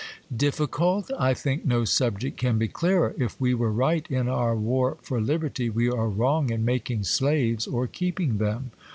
'Difficult? I think no subject can be clearer. If we were right in our war for liberty, we are wrong in making slaves or keeping them.